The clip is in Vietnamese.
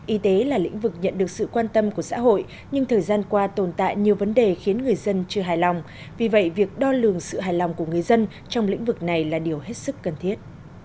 y tế là lĩnh vực nhận được sự quan tâm của xã hội nhưng thời gian qua tồn tại nhiều vấn đề khiến người dân chưa hài lòng vì vậy việc đo lường sự hài lòng của người dân trong lĩnh vực này là điều hết sức cần thiết